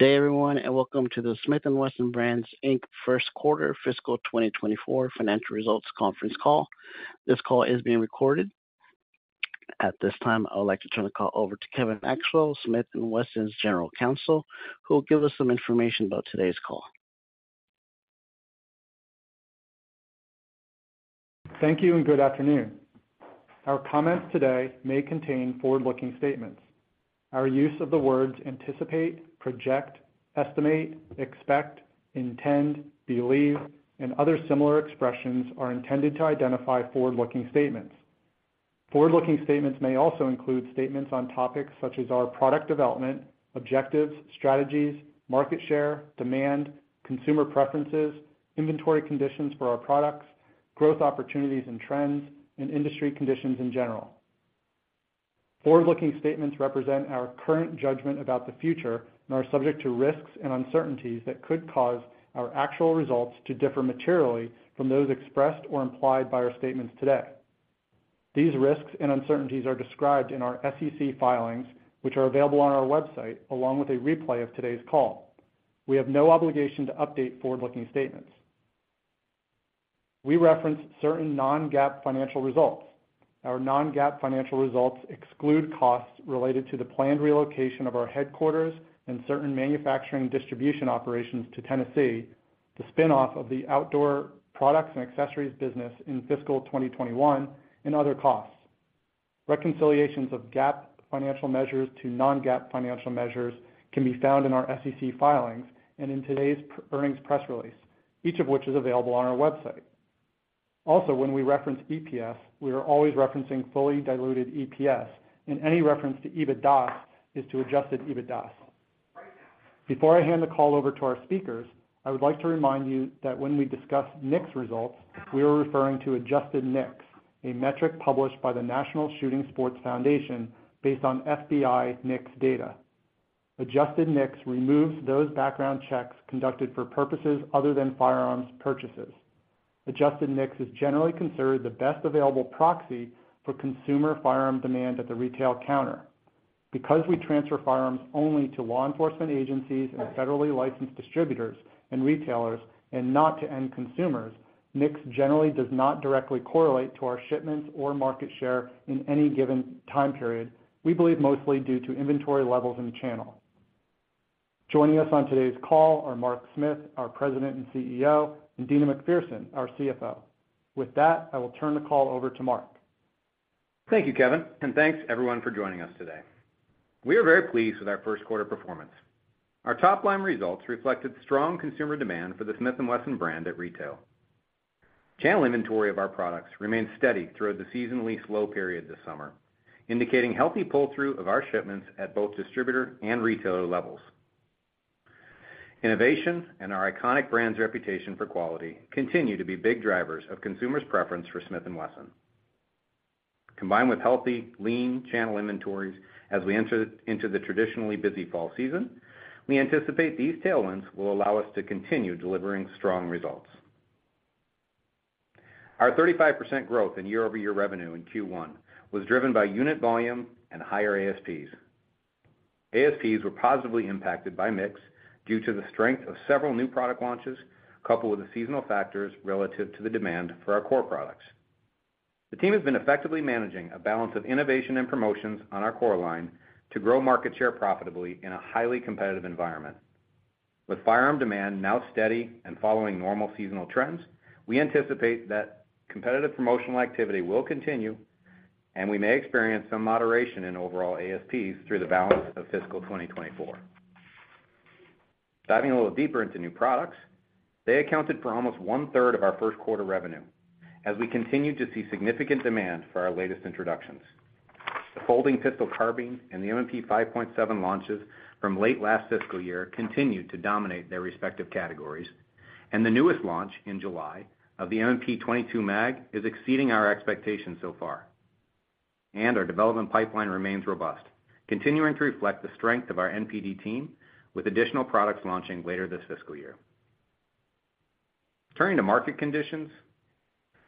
Good day, everyone, and welcome to the Smith & Wesson Brands, Inc., first quarter fiscal 2024 financial results conference call. This call is being recorded. At this time, I would like to turn the call over to Kevin Maxwell, Smith & Wesson's General Counsel, who will give us some information about today's call. Thank you, and good afternoon. Our comments today may contain forward-looking statements. Our use of the words anticipate, project, estimate, expect, intend, believe, and other similar expressions are intended to identify forward-looking statements. Forward-looking statements may also include statements on topics such as our product development, objectives, strategies, market share, demand, consumer preferences, inventory conditions for our products, growth opportunities and trends, and industry conditions in general. Forward-looking statements represent our current judgment about the future and are subject to risks and uncertainties that could cause our actual results to differ materially from those expressed or implied by our statements today. These risks and uncertainties are described in our SEC filings, which are available on our website, along with a replay of today's call. We have no obligation to update forward-looking statements. We reference certain non-GAAP financial results. Our non-GAAP financial results exclude costs related to the planned relocation of our headquarters and certain manufacturing distribution operations to Tennessee, the spin-off of the outdoor products and accessories business in fiscal 2021, and other costs. Reconciliations of GAAP financial measures to non-GAAP financial measures can be found in our SEC filings and in today's earnings press release, each of which is available on our website. Also, when we reference EPS, we are always referencing fully diluted EPS, and any reference to EBITDA is to adjusted EBITDA. Before I hand the call over to our speakers, I would like to remind you that when we discuss NICS results, we are referring to adjusted NICS, a metric published by the National Shooting Sports Foundation based on FBI NICS data. Adjusted NICS removes those background checks conducted for purposes other than firearms purchases. Adjusted NICS is generally considered the best available proxy for consumer firearm demand at the retail counter. Because we transfer firearms only to law enforcement agencies and federally licensed distributors and retailers and not to end consumers, NICS generally does not directly correlate to our shipments or market share in any given time period, we believe mostly due to inventory levels in the channel. Joining us on today's call are Mark Smith, our President and CEO, and Deana McPherson, our CFO. With that, I will turn the call over to Mark. Thank you, Kevin, and thanks everyone for joining us today. We are very pleased with our first quarter performance. Our top-line results reflected strong consumer demand for the Smith & Wesson brand at retail. Channel inventory of our products remained steady throughout the seasonally slow period this summer, indicating healthy pull-through of our shipments at both distributor and retailer levels. Innovation and our iconic brand's reputation for quality continue to be big drivers of consumers' preference for Smith & Wesson. Combined with healthy, lean channel inventories as we enter into the traditionally busy fall season, we anticipate these tailwinds will allow us to continue delivering strong results. Our 35% growth in year-over-year revenue in Q1 was driven by unit volume and higher ASPs. ASPs were positively impacted by mix due to the strength of several new product launches, coupled with the seasonal factors relative to the demand for our core products. The team has been effectively managing a balance of innovation and promotions on our core line to grow market share profitably in a highly competitive environment. With firearm demand now steady and following normal seasonal trends, we anticipate that competitive promotional activity will continue, and we may experience some moderation in overall ASPs through the balance of fiscal 2024. Diving a little deeper into new products, they accounted for almost one-third of our first quarter revenue as we continued to see significant demand for our latest introductions. The Folding Pistol Carbine and the M&P 5.7 launches from late last fiscal year continued to dominate their respective categories, and the newest launch in July of the M&P 22 Mag is exceeding our expectations so far. Our development pipeline remains robust, continuing to reflect the strength of our NPD team, with additional products launching later this fiscal year. Turning to market conditions,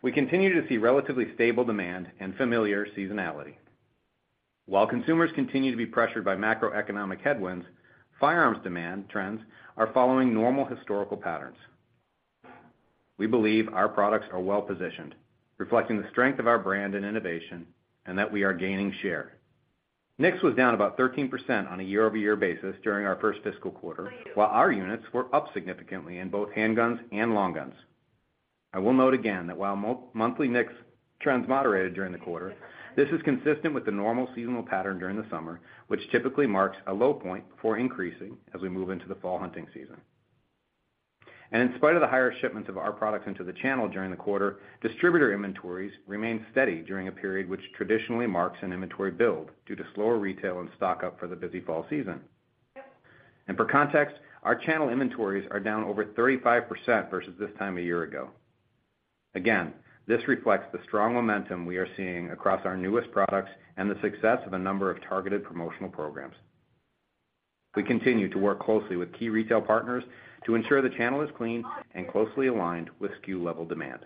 we continue to see relatively stable demand and familiar seasonality. While consumers continue to be pressured by macroeconomic headwinds, firearms demand trends are following normal historical patterns. We believe our products are well-positioned, reflecting the strength of our brand and innovation, and that we are gaining share. NICS was down about 13% on a year-over-year basis during our first fiscal quarter, while our units were up significantly in both handguns and long guns. I will note again that while monthly NICS trends moderated during the quarter, this is consistent with the normal seasonal pattern during the summer, which typically marks a low point before increasing as we move into the fall hunting season. In spite of the higher shipments of our products into the channel during the quarter, distributor inventories remained steady during a period which traditionally marks an inventory build due to slower retail and stock-up for the busy fall season. For context, our channel inventories are down over 35% versus this time a year ago. Again, this reflects the strong momentum we are seeing across our newest products and the success of a number of targeted promotional programs. We continue to work closely with key retail partners to ensure the channel is clean and closely aligned with SKU-level demand....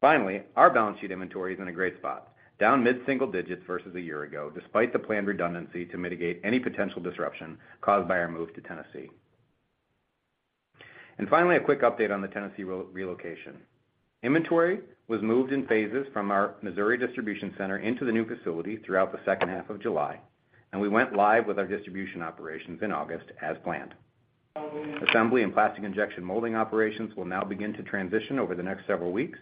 Finally, our balance sheet inventory is in a great spot, down mid-single digits versus a year ago, despite the planned redundancy to mitigate any potential disruption caused by our move to Tennessee. Finally, a quick update on the Tennessee relocation. Inventory was moved in phases from our Missouri distribution center into the new facility throughout the second half of July, and we went live with our distribution operations in August, as planned. Assembly and plastic injection molding operations will now begin to transition over the next several weeks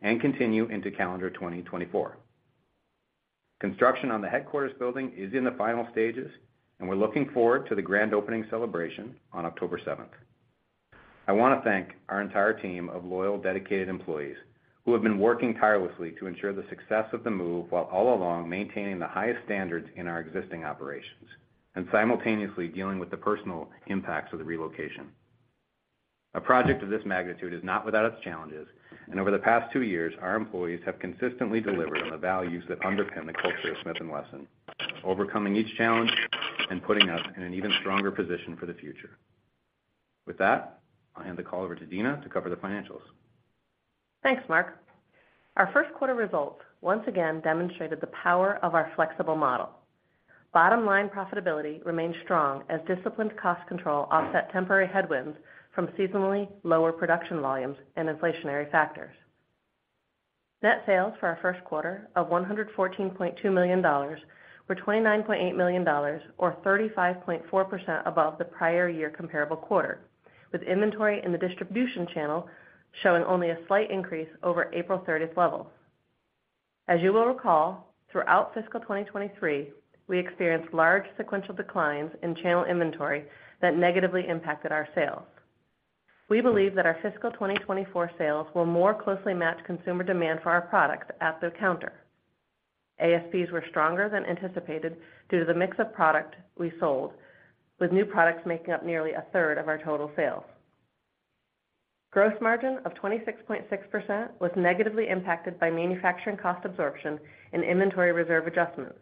and continue into calendar 2024. Construction on the headquarters building is in the final stages, and we're looking forward to the grand opening celebration on October seventh. I want to thank our entire team of loyal, dedicated employees, who have been working tirelessly to ensure the success of the move, while all along maintaining the highest standards in our existing operations and simultaneously dealing with the personal impacts of the relocation. A project of this magnitude is not without its challenges, and over the past two years, our employees have consistently delivered on the values that underpin the culture of Smith & Wesson, overcoming each challenge and putting us in an even stronger position for the future. With that, I'll hand the call over to Deana to cover the financials. Thanks, Mark. Our first quarter results once again demonstrated the power of our flexible model. Bottom-line profitability remained strong as disciplined cost control offset temporary headwinds from seasonally lower production volumes and inflationary factors. Net sales for our first quarter of $114.2 million were $29.8 million, or 35.4% above the prior year comparable quarter, with inventory in the distribution channel showing only a slight increase over April 30 levels. As you will recall, throughout fiscal 2023, we experienced large sequential declines in channel inventory that negatively impacted our sales. We believe that our fiscal 2024 sales will more closely match consumer demand for our products at the counter. ASPs were stronger than anticipated due to the mix of product we sold, with new products making up nearly a third of our total sales. Gross margin of 26.6% was negatively impacted by manufacturing cost absorption and inventory reserve adjustments.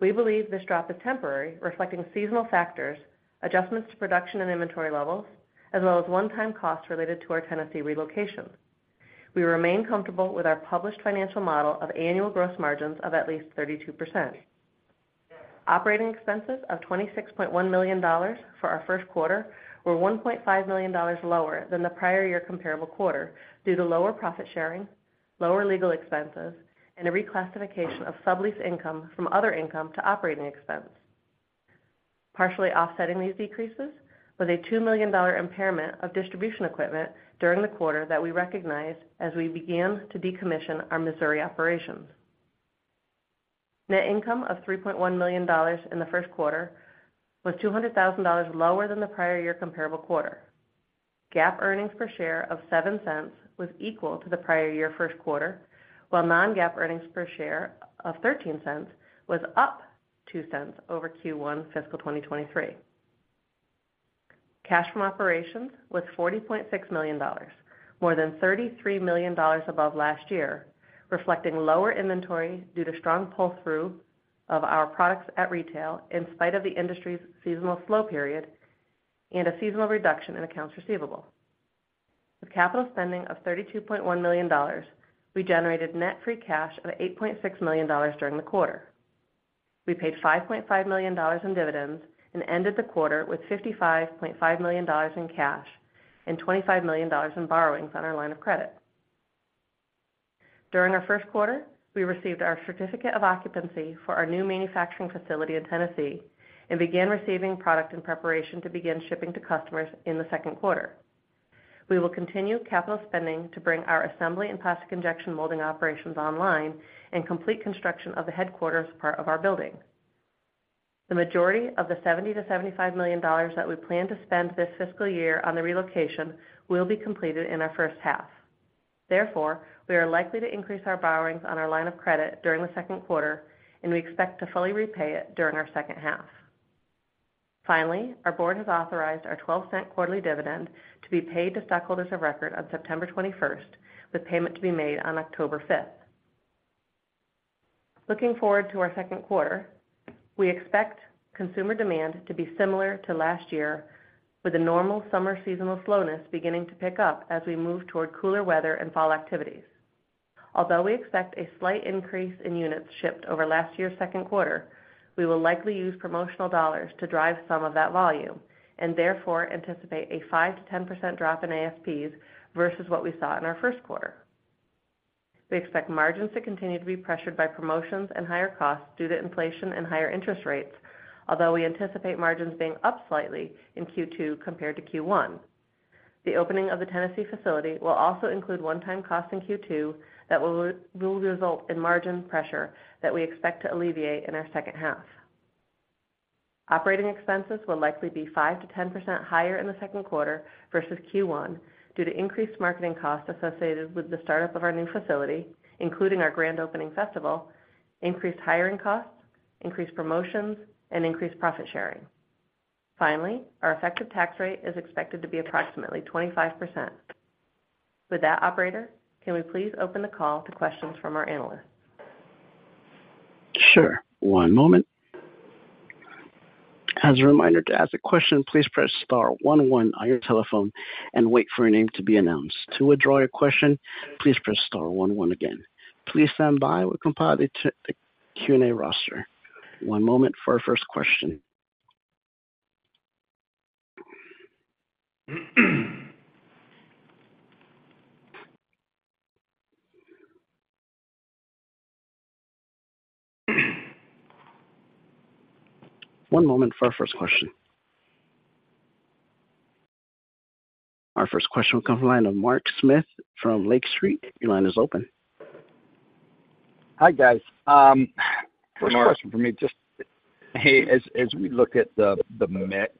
We believe this drop is temporary, reflecting seasonal factors, adjustments to production and inventory levels, as well as one-time costs related to our Tennessee relocation. We remain comfortable with our published financial model of annual gross margins of at least 32%. Operating expenses of $26.1 million for our first quarter were $1.5 million lower than the prior year comparable quarter due to lower profit sharing, lower legal expenses, and a reclassification of sublease income from other income to operating expense. Partially offsetting these decreases was a $2 million impairment of distribution equipment during the quarter that we recognized as we began to decommission our Missouri operations. Net income of $3.1 million in the first quarter was $200,000 lower than the prior year comparable quarter. GAAP earnings per share of $0.07 was equal to the prior year first quarter, while non-GAAP earnings per share of $0.13 was up $0.02 over Q1 fiscal 2023. Cash from operations was $40.6 million, more than $33 million above last year, reflecting lower inventory due to strong pull-through of our products at retail, in spite of the industry's seasonal slow period and a seasonal reduction in accounts receivable. With capital spending of $32.1 million, we generated net free cash of $8.6 million during the quarter. We paid $5.5 million in dividends and ended the quarter with $55.5 million in cash and $25 million in borrowings on our line of credit. During our first quarter, we received our certificate of occupancy for our new manufacturing facility in Tennessee and began receiving product in preparation to begin shipping to customers in the second quarter. We will continue capital spending to bring our assembly and plastic injection molding operations online and complete construction of the headquarters part of our building. The majority of the $70 million-$75 million that we plan to spend this fiscal year on the relocation will be completed in our first half. Therefore, we are likely to increase our borrowings on our line of credit during the second quarter, and we expect to fully repay it during our second half. Finally, our board has authorized our $0.12 quarterly dividend to be paid to stockholders of record on September 21st, with payment to be made on October 5th. Looking forward to our second quarter, we expect consumer demand to be similar to last year, with a normal summer seasonal slowness beginning to pick up as we move toward cooler weather and fall activities. Although we expect a slight increase in units shipped over last year's second quarter, we will likely use promotional dollars to drive some of that volume and therefore anticipate a 5%-10% drop in ASPs versus what we saw in our first quarter. We expect margins to continue to be pressured by promotions and higher costs due to inflation and higher interest rates, although we anticipate margins being up slightly in Q2 compared to Q1. The opening of the Tennessee facility will also include one-time costs in Q2 that will result in margin pressure that we expect to alleviate in our second half. Operating expenses will likely be 5%-10% higher in the second quarter versus Q1 due to increased marketing costs associated with the startup of our new facility, including our grand opening festival, increased hiring costs, increased promotions, and increased profit sharing. Finally, our effective tax rate is expected to be approximately 25%. With that, operator, can we please open the call to questions from our analysts? Sure. One moment.... As a reminder, to ask a question, please press star one one on your telephone and wait for your name to be announced. To withdraw your question, please press star one one again. Please stand by. We'll compile the Q&A roster. One moment for our first question. One moment for our first question. Our first question will come from the line of Mark Smith from Lake Street. Your line is open. Hi, guys. Mark- First question for me, just, hey, as we look at the mix,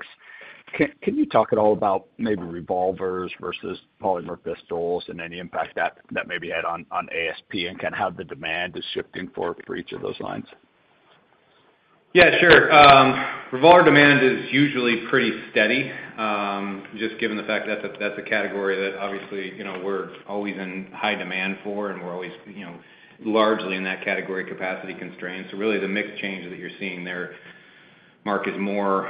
can you talk at all about maybe revolvers versus polymer pistols and any impact that maybe had on ASP and kind of how the demand is shifting for each of those lines? Yeah, sure. Revolver demand is usually pretty steady, just given the fact that's a category that obviously, you know, we're always in high demand for, and we're always, you know, largely in that category, capacity constrained. So really the mix change that you're seeing there, Mark, is more,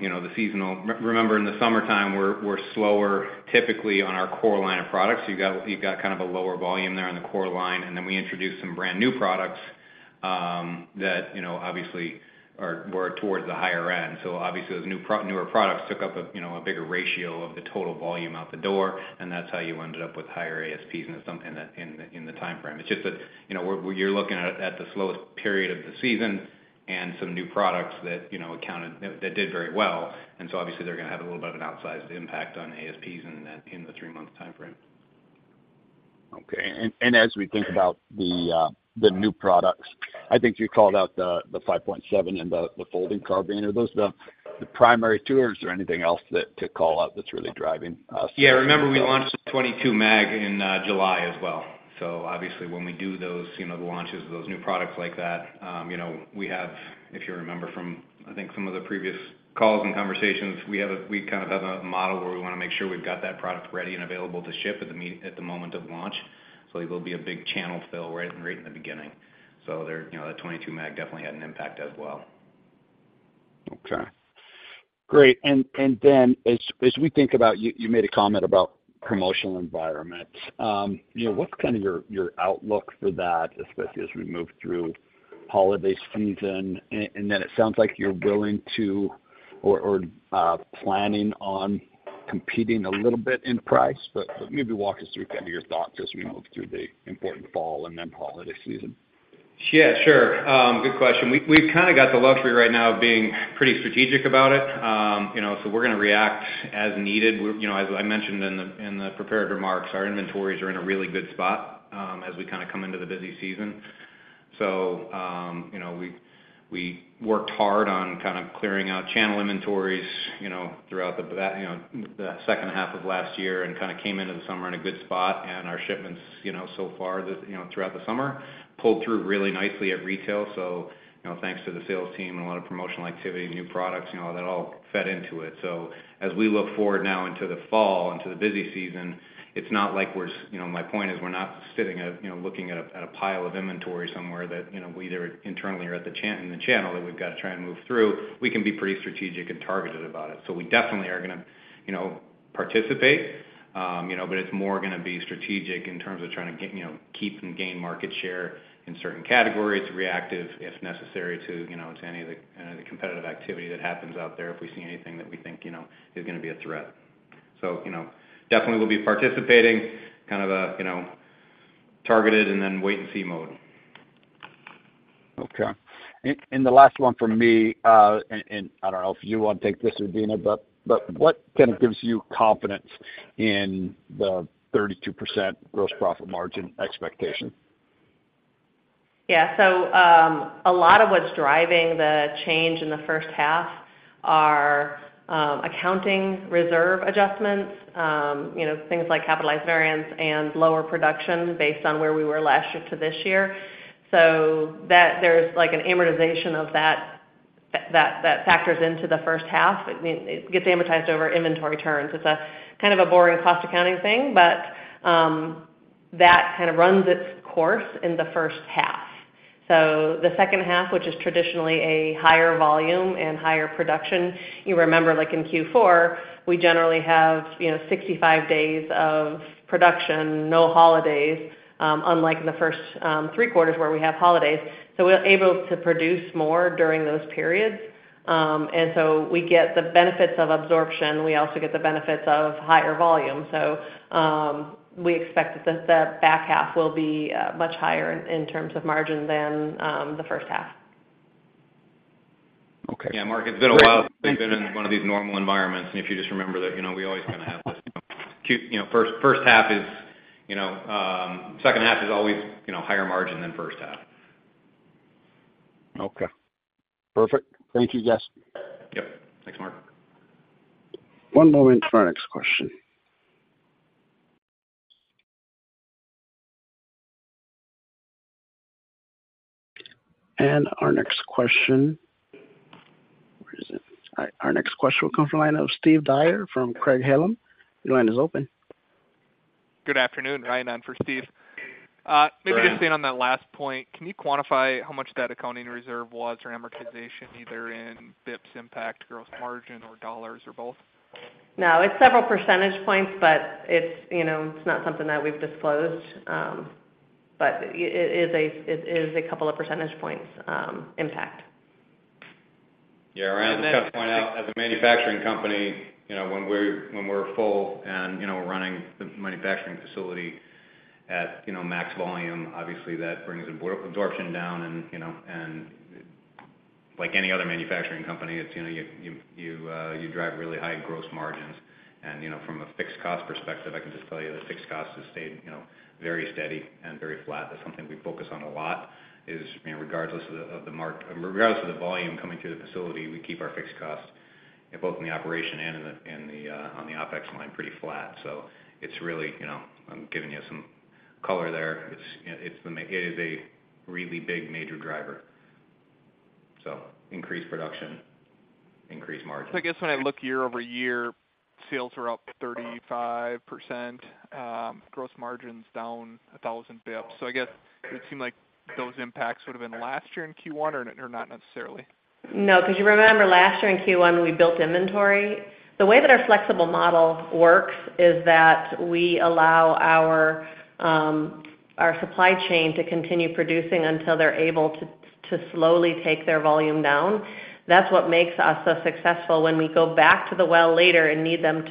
you know, the seasonal. Remember in the summertime, we're slower typically on our core line of products. You've got kind of a lower volume there on the core line, and then we introduced some brand-new products that, you know, obviously are, were towards the higher end. So obviously, those newer products took up a bigger ratio of the total volume out the door, and that's how you ended up with higher ASPs and so in the timeframe. It's just that, you know, you're looking at the slowest period of the season and some new products that, you know, accounted... That did very well. And so obviously they're gonna have a little bit of an outsized impact on ASPs in the three-month timeframe. Okay. And as we think about the new products, I think you called out the 5.7 and the folding carbine. Are those the primary two, or is there anything else that to call out that's really driving ASP? Yeah, remember we launched the 22 Mag in July as well. So obviously, when we do those, you know, the launches of those new products like that, you know, we have, if you remember from, I think, some of the previous calls and conversations, we kind of have a model where we wanna make sure we've got that product ready and available to ship at the moment of launch. So it will be a big channel fill right, right in the beginning. So there, you know, the 22 Mag definitely had an impact as well. Okay. Great, and then as we think about you, you made a comment about promotional environment. You know, what's kind of your outlook for that, especially as we move through holiday season? And then it sounds like you're willing to or planning on competing a little bit in price, but maybe walk us through kind of your thoughts as we move through the important fall and then holiday season. Yeah, sure. Good question. We've kind of got the luxury right now of being pretty strategic about it. You know, so we're gonna react as needed. We're, you know, as I mentioned in the prepared remarks, our inventories are in a really good spot, as we kind of come into the busy season. So, you know, we worked hard on kind of clearing out channel inventories, you know, throughout the second half of last year and kind of came into the summer in a good spot. And our shipments, you know, so far, throughout the summer, pulled through really nicely at retail. So, you know, thanks to the sales team and a lot of promotional activity, new products, you know, that all fed into it. So as we look forward now into the fall, into the busy season, it's not like we're, you know, my point is we're not sitting at, you know, looking at a, at a pile of inventory somewhere that, you know, we either internally or at the channel that we've got to try and move through. We can be pretty strategic and targeted about it. So we definitely are gonna, you know, participate, you know, but it's more gonna be strategic in terms of trying to get, you know, keep and gain market share in certain categories, reactive, if necessary, to, you know, to any of the, the competitive activity that happens out there, if we see anything that we think, you know, is gonna be a threat. So, you know, definitely we'll be participating kind of a, you know, targeted and then wait-and-see mode. Okay. And the last one from me, and I don't know if you want to take this or Deana, but what kind of gives you confidence in the 32% gross profit margin expectation? Yeah. So, a lot of what's driving the change in the first half are accounting reserve adjustments, you know, things like capitalized variance and lower production based on where we were last year to this year. So that, there's like an amortization of that that factors into the first half. It gets amortized over inventory turns. It's a kind of a boring cost accounting thing, but that kind of runs its course in the first half. So the second half, which is traditionally a higher volume and higher production, you remember, like in Q4, we generally have, you know, 65 days of production, no holidays, unlike in the first three quarters, where we have holidays. So we're able to produce more during those periods. And so we get the benefits of absorption. We also get the benefits of higher volume. So, we expect that the back half will be much higher in terms of margin than the first half. Okay. Yeah, Mark, it's been a while since we've been in one of these normal environments. And if you just remember that, you know, we always kind of have this, you know, first half is, you know, second half is always, you know, higher margin than first half. Okay, perfect. Thank you, guys. Yep. Thanks, Mark. One moment for our next question. And our next question, where is it? All right, our next question will come from the line of Steve Dyer from Craig-Hallum. Your line is open.... Good afternoon, Ryan, and for Steve. Maybe just staying on that last point, can you quantify how much that accounting reserve was, or amortization, either in bps impact, gross margin, or dollars, or both? No, it's several percentage points, but it's, you know, it's not something that we've disclosed. But it is a couple of percentage points impact. Yeah, Ryan, I'd just point out, as a manufacturing company, you know, when we're full and, you know, running the manufacturing facility at, you know, max volume, obviously that brings absorption down and, you know, and like any other manufacturing company, it's, you know, you drive really high gross margins. And, you know, from a fixed cost perspective, I can just tell you the fixed costs have stayed, you know, very steady and very flat. That's something we focus on a lot, is, you know, regardless of the volume coming through the facility, we keep our fixed costs, both in the operation and in the on the OpEx line, pretty flat. So it's really, you know, I'm giving you some color there. It is a really big major driver. Increased production, increased margin. So I guess when I look year-over-year, sales are up 35%, gross margins down 1,000 Bps. So I guess it seemed like those impacts would have been last year in Q1, or, or not necessarily? No, 'cause you remember last year in Q1, we built inventory. The way that our flexible model works is that we allow our supply chain to continue producing until they're able to slowly take their volume down. That's what makes us so successful when we go back to the well later and need them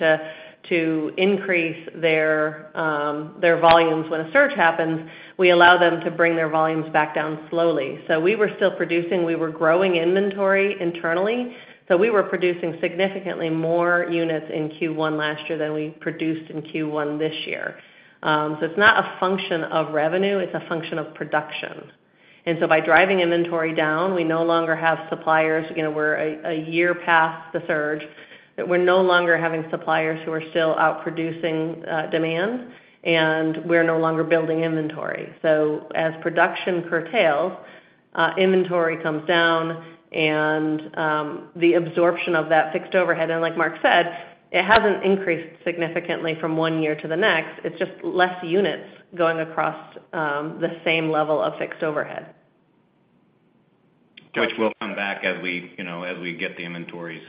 to increase their volumes. When a surge happens, we allow them to bring their volumes back down slowly. So we were still producing, we were growing inventory internally, so we were producing significantly more units in Q1 last year than we produced in Q1 this year. So it's not a function of revenue, it's a function of production. And so by driving inventory down, we no longer have suppliers. You know, we're a year past the surge that we're no longer having suppliers who are still out producing demand, and we're no longer building inventory. So as production curtails, inventory comes down, and the absorption of that fixed overhead, and like Mark said, it hasn't increased significantly from one year to the next. It's just less units going across, the same level of fixed overhead. Which will come back as we, you know, as we get the inventories,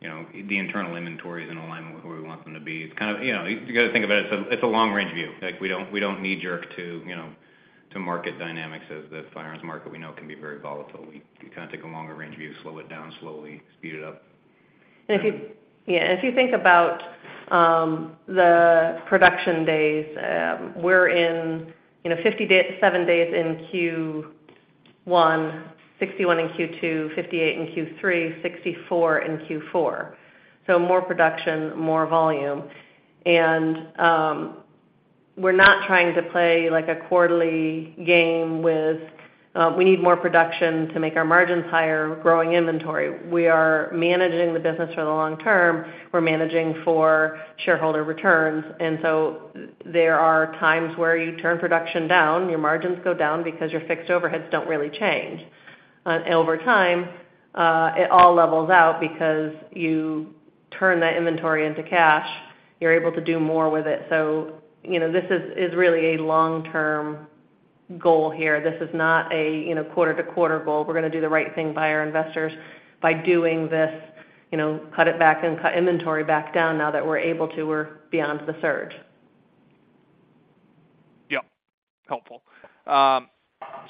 you know, the internal inventories in alignment with where we want them to be. It's kind of... You know, you gotta think about it, it's a, it's a long-range view. Like, we don't, we don't knee-jerk to, you know, to market dynamics as the firearms market we know can be very volatile. We, we kinda take a longer range view, slow it down slowly, speed it up. And if you think about the production days, you know, we're in 57 days in Q1, 61 in Q2, 58 in Q3, 64 in Q4. So more production, more volume. And we're not trying to play, like, a quarterly game with we need more production to make our margins higher, growing inventory. We are managing the business for the long term. We're managing for shareholder returns, and so there are times where you turn production down, your margins go down because your fixed overheads don't really change. Over time, it all levels out because you turn that inventory into cash, you're able to do more with it. So, you know, this is really a long-term goal here. This is not a, you know, quarter-to-quarter goal. We're gonna do the right thing by our investors by doing this, you know, cut it back and cut inventory back down now that we're able to. We're beyond the surge. Yep, helpful.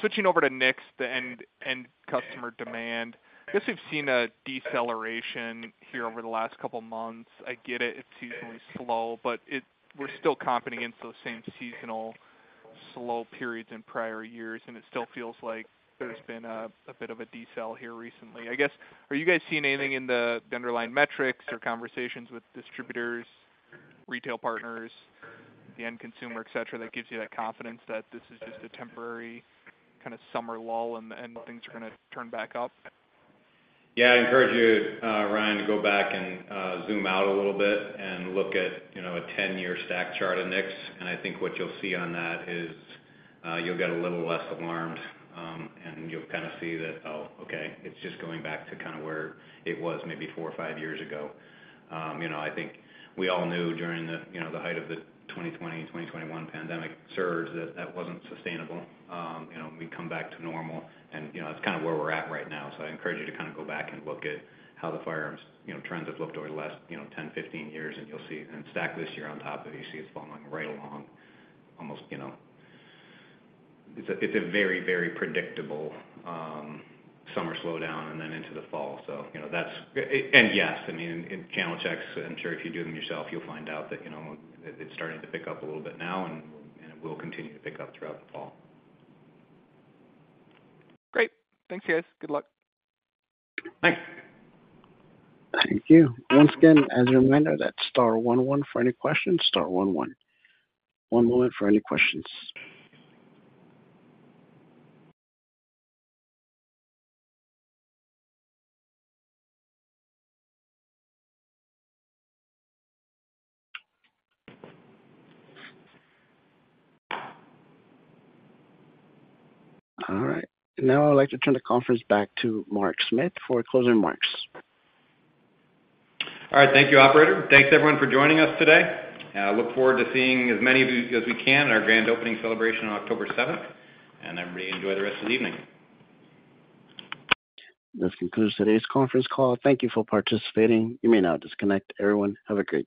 Switching over to NICS, the end customer demand, I guess we've seen a deceleration here over the last couple of months. I get it, it's seasonally slow, but it, we're still competing in those same seasonal slow periods in prior years, and it still feels like there's been a bit of a decel here recently. I guess, are you guys seeing anything in the underlying metrics or conversations with distributors, retail partners, the end consumer, et cetera, that gives you that confidence that this is just a temporary kind of summer lull and things are gonna turn back up? Yeah, I encourage you, Ryan, to go back and zoom out a little bit and look at, you know, a 10-year stack chart of NICS, and I think what you'll see on that is, you'll get a little less alarmed, and you'll kind of see that, oh, okay, it's just going back to kind of where it was maybe 4 or 5 years ago. You know, I think we all knew during the, you know, the height of the 2020 and 2021 pandemic surge, that that wasn't sustainable. You know, we'd come back to normal and, you know, that's kind of where we're at right now. So I encourage you to kind of go back and look at how the firearms, you know, trends have looked over the last, you know, 10, 15 years, and you'll see... Stack this year on top of it, you see it's falling right along, almost, you know. It's a very, very predictable summer slowdown and then into the fall. So, you know, that's and yes, I mean, in channel checks, I'm sure if you do them yourself, you'll find out that, you know, it, it's starting to pick up a little bit now, and it will continue to pick up throughout the fall. Great. Thanks, guys. Good luck. Thanks. Thank you. Once again, as a reminder, that's star one one for any questions, star one one. One moment for any questions. All right, now I'd like to turn the conference back to Mark Smith for closing remarks. All right. Thank you, operator. Thanks, everyone, for joining us today, and I look forward to seeing as many of you as we can at our grand opening celebration on October seventh. Everybody, enjoy the rest of the evening. This concludes today's conference call. Thank you for participating. You may now disconnect. Everyone, have a great day.